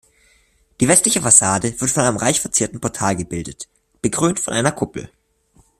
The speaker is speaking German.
Die westliche Fassade wird von einem reich verzierten Portal gebildet, bekrönt von einer Kuppel.